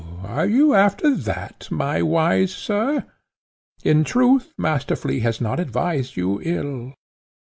are you after that, my wise sir? In truth Master Flea has not advised you ill.